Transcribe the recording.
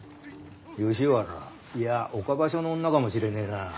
吉原いや岡場所の女かもしれねえな。